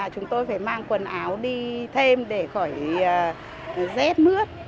chúng tôi phải mang quần áo đi thêm để khỏi rét mướt